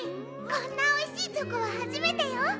こんなおいしいチョコははじめてよ！